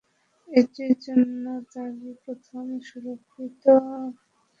এটি জন্য তার প্রথম সুরারোপিত অ্যানিমেশন চলচ্চিত্র।